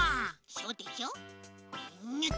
そうでしょ。